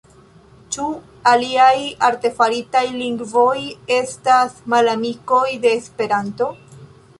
Ĉu aliaj artefaritaj lingvoj estas malamikoj de Esperanto?